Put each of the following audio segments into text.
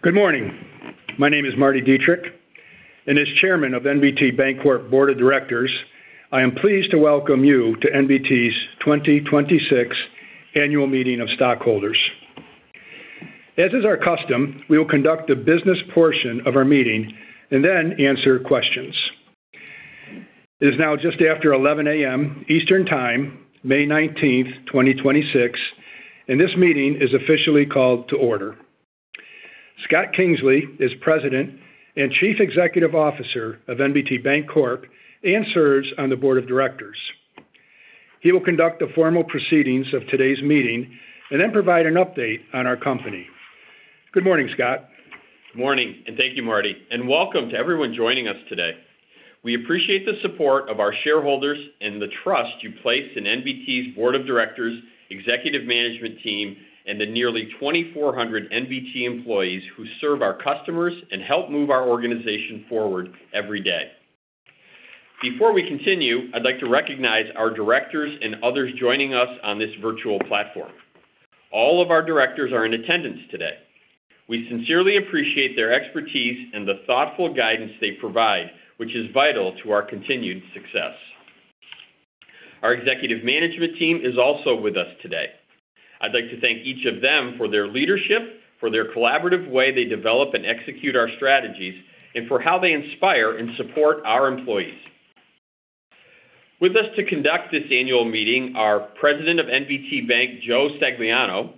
Good morning. My name is Marty Dietrich, and as chairman of the NBT Bancorp board of directors, I am pleased to Welcome you to the NBT's 2026 Annual Meeting of Stockholders. As is our custom, we will conduct the business portion of our meeting and then answer questions. It is now just after 11:00 A.M. Eastern Time, May 19th, 2026, and this meeting is officially called to order. Scott Kingsley is President and Chief Executive Officer of NBT Bancorp and serves on the board of directors. He will conduct the formal proceedings of today's meeting and then provide an update on our company. Good morning, Scott. Morning, and thank you, Marty, and welcome to everyone joining us today. We appreciate the support of our shareholders and the trust you place in NBT's Board of Directors, executive management team, and the nearly 2,400 NBT employees who serve our customers and help move our organization forward every day. Before we continue, I'd like to recognize our directors and others joining us on this virtual platform. All of our directors are in attendance today. We sincerely appreciate their expertise and the thoughtful guidance they provide, which is vital to our continued success. Our executive management team is also with us today. I'd like to thank each of them for their leadership, for their collaborative way they develop and execute our strategies, and for how they inspire and support our employees. With us to conduct this annual meeting are President of NBT Bank, Joe Stagliano,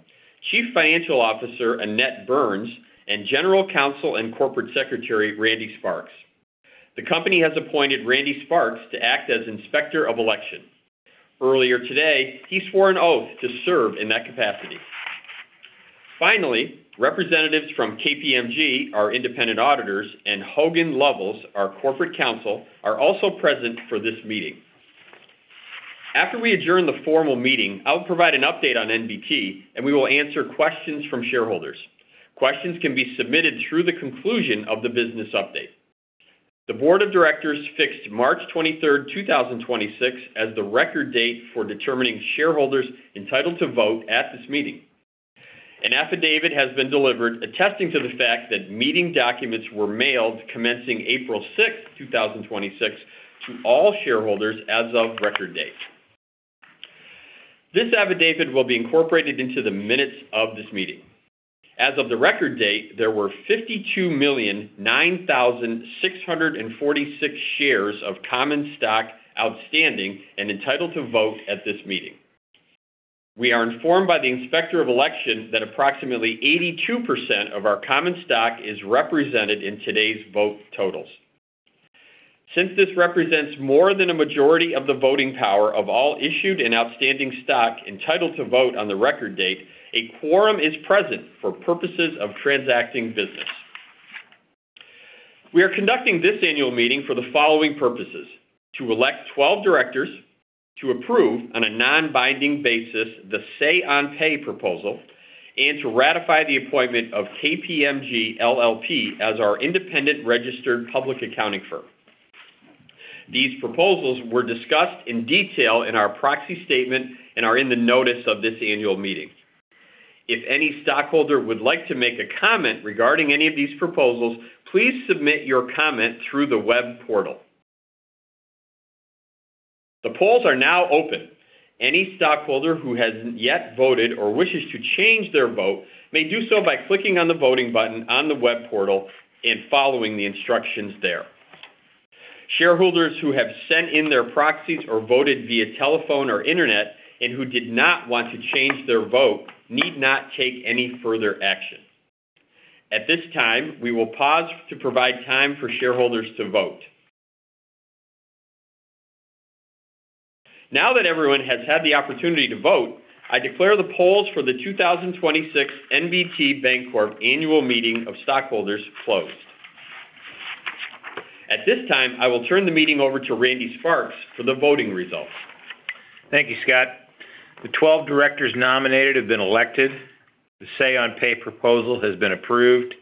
Chief Financial Officer, Annette Burns, and General Counsel and Corporate Secretary, Randy Sparks. The company has appointed Randy Sparks to act as Inspector of Election. Earlier today, he swore an oath to serve in that capacity. Finally, representatives from KPMG, our independent auditors, and Hogan Lovells, our corporate counsel, are also present for this meeting. After we adjourn the formal meeting, I will provide an update on NBT, and we will answer questions from shareholders. Questions can be submitted through the conclusion of the business update. The Board of Directors fixed March 23rd, 2026, as the record date for determining shareholders entitled to vote at this meeting. An affidavit has been delivered attesting to the fact that meeting documents were mailed commencing April 6th, 2026, to all shareholders as of the record date. This affidavit will be incorporated into the minutes of this meeting. As of the record date, there were 52,009,646 shares of common stock outstanding and entitled to vote at this meeting. We are informed by the Inspector of Election that approximately 82% of our common stock is represented in today's vote totals. Since this represents more than a majority of the voting power of all issued and outstanding stock entitled to vote on the record date, a quorum is present for purposes of transacting business. We are conducting this annual meeting for the following purposes: to elect 12 directors, to approve on a non-binding basis the Say-on-Pay proposal, and to ratify the appointment of KPMG LLP as our independent registered public accounting firm. These proposals were discussed in detail in our proxy statement and are in the notice of this annual meeting. If any stockholder would like to make a comment regarding any of these proposals, please submit your comment through the web portal. The polls are now open. Any stockholder who hasn't yet voted or wishes to change their vote may do so by clicking on the voting button on the web portal and following the instructions there. Shareholders who have sent in their proxies or voted via telephone or internet and who did not want to change their vote need not take any further action. At this time, we will pause to provide time for shareholders to vote. Now that everyone has had the opportunity to vote, I declare the polls for the 2026 NBT Bancorp Annual Meeting of Stockholders closed. At this time, I will turn the meeting over to Randy Sparks for the voting results. Thank you, Scott. The 12 directors nominated have been elected. The say on pay proposal has been approved,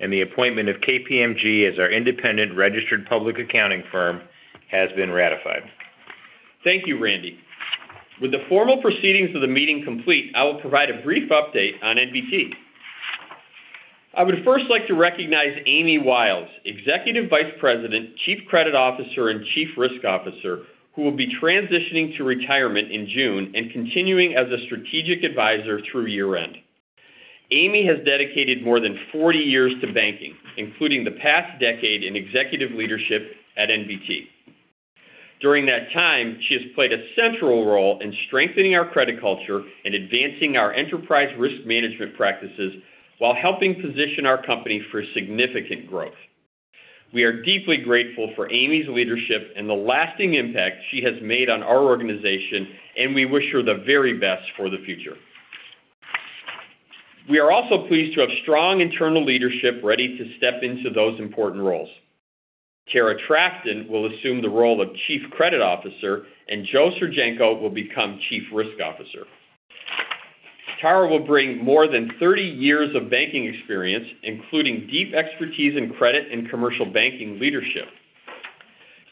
and the appointment of KPMG as our independent registered public accounting firm has been ratified. Thank you, Randy. With the formal proceedings of the meeting complete, I will provide a brief update on NBT. I would first like to recognize Amy Wiles, Executive Vice President, Chief Credit Officer, and Chief Risk Officer, who will be transitioning to retirement in June and continuing as a strategic advisor through year-end. Amy has dedicated more than 40 years to banking, including the past decade in executive leadership at NBT. During that time, she has played a central role in strengthening our credit culture and advancing our enterprise risk management practices while helping position our company for significant growth. We are deeply grateful for Amy's leadership and the lasting impact she has made on our organization, and we wish her the very best for the future. We are also pleased to have strong internal leadership ready to step into those important roles. Tara Trafton will assume the role of Chief Credit Officer, and Joseph Sergienko will become Chief Risk Officer. Tara will bring more than 30 years of banking experience, including deep expertise in credit and commercial banking leadership.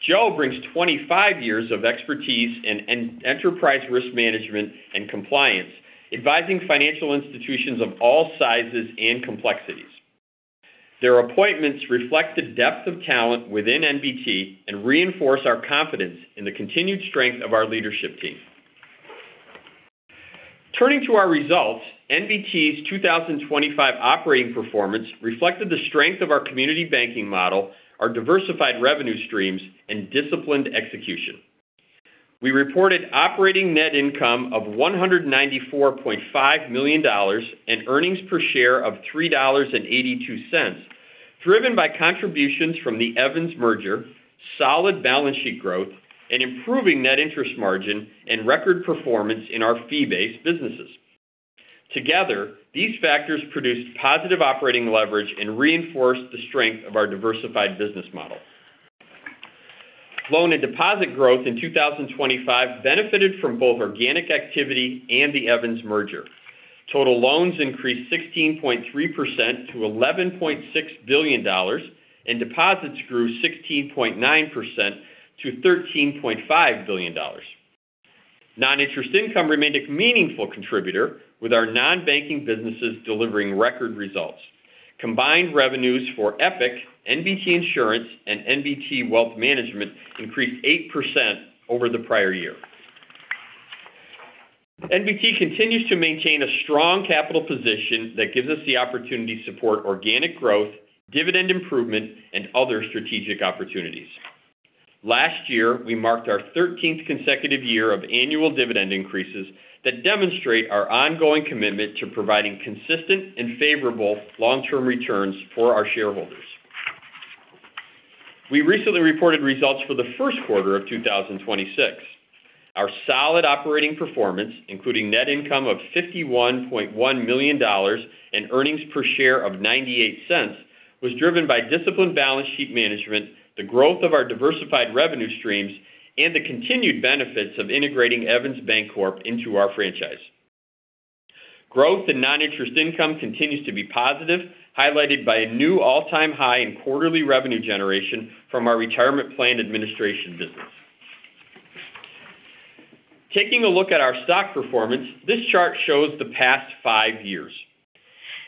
Joseph brings 25 years of expertise in enterprise risk management and compliance, advising financial institutions of all sizes and complexities. Their appointments reflect the depth of talent within NBT and reinforce our confidence in the continued strength of our leadership team. Turning to our results, NBT's 2025 operating performance reflected the strength of our community banking model, our diversified revenue streams, and disciplined execution. We reported operating net income of $194.5 million and earnings per share of $3.82, driven by contributions from the Evans Bancorp merger, solid balance sheet growth, and improving net interest margin, and record performance in our fee-based businesses. Together, these factors produced positive operating leverage and reinforced the strength of our diversified business model. Loan and deposit growth in 2025 benefited from both organic activity and the Evans Bancorp merger. Total loans increased 16.3% to $11.6 billion, and deposits grew 16.9% to $13.5 billion. Non-interest income remained a meaningful contributor, with our non-banking businesses delivering record results. Combined revenues for EPIC, NBT Insurance, and NBT Wealth Management increased 8% over the prior year. NBT continues to maintain a strong capital position that gives us the opportunity to support organic growth, dividend improvement, and other strategic opportunities. Last year, we marked our 13th consecutive year of annual dividend increases that demonstrate our ongoing commitment to providing consistent and favorable long-term returns for our shareholders. We recently reported results for the first quarter of 2026. Our solid operating performance, including net income of $51.1 million and earnings per share of $0.98, was driven by disciplined balance sheet management, the growth of our diversified revenue streams, and the continued benefits of integrating Evans Bancorp into our franchise. Growth in non-interest income continues to be positive, highlighted by a new all-time high in quarterly revenue generation from our retirement plan administration business. Taking a look at our stock performance, this chart shows the past five years.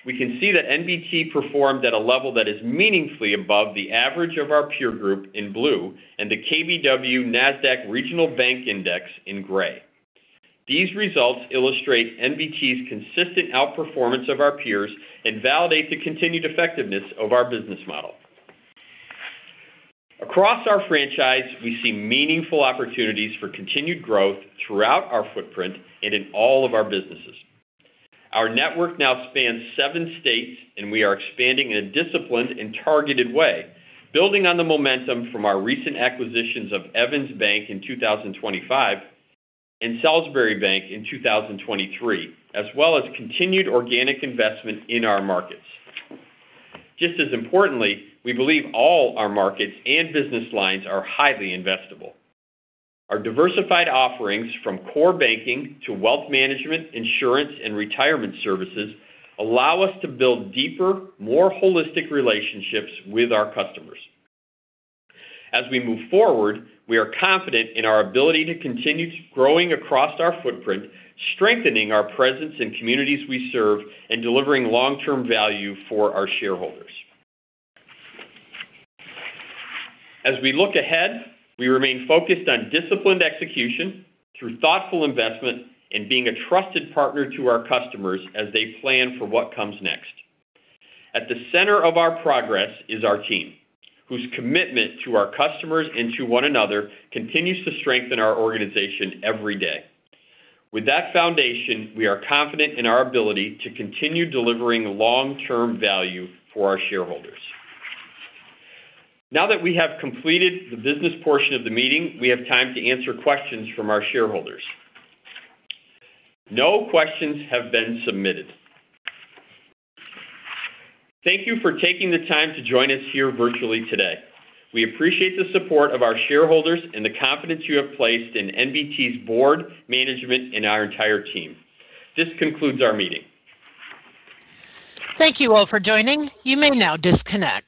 We can see that NBT performed at a level that is meaningfully above the average of our peer group in blue and the KBW Nasdaq Regional Banking Index in gray. These results illustrate NBT's consistent outperformance of our peers and validate the continued effectiveness of our business model. Across our franchise, we see meaningful opportunities for continued growth throughout our footprint and in all of our businesses. Our network now spans seven states, and we are expanding in a disciplined and targeted way, building on the momentum from our recent acquisitions of Evans Bank in 2025 and Salisbury Bancorp in 2023, as well as continued organic investment in our markets. Just as importantly, we believe all our markets and business lines are highly investable. Our diversified offerings from core banking to wealth management, insurance, and retirement services allow us to build deeper, more holistic relationships with our customers. As we move forward, we are confident in our ability to continue growing across our footprint, strengthening our presence in communities we serve, and delivering long-term value for our shareholders. As we look ahead, we remain focused on disciplined execution through thoughtful investment and being a trusted partner to our customers as they plan for what comes next. At the center of our progress is our team, whose commitment to our customers and to one another continues to strengthen our organization every day. With that foundation, we are confident in our ability to continue delivering long-term value for our shareholders. Now that we have completed the business portion of the meeting, we have time to answer questions from our shareholders. No questions have been submitted. Thank you for taking the time to join us here virtually today. We appreciate the support of our shareholders and the confidence you have placed in NBT's Board of Directors, management, and our entire team. This concludes our meeting. Thank you all for joining. You may now disconnect.